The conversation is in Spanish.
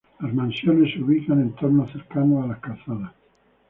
Las mansio, se ubican en entornos cercanos a las calzadas.